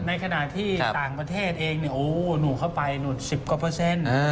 ในขณะที่ต่างประเทศเองเนี่ยโอ้หนูเข้าไปหนู๑๐กว่าเปอร์เซ็นต์